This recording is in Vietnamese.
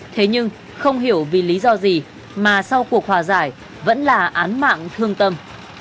thế nhưng không hiểu vì lý do gì mà sau cuộc hòa giải vẫn là án mạng thương tâm